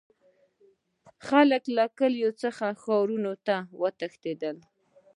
خلک له کلیو څخه ښارونو ته وتښتیدل.